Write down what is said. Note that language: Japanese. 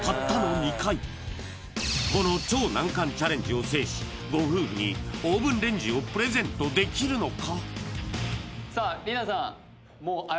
この超難関チャレンジを制しご夫婦にオーブンレンジをプレゼントできるのか？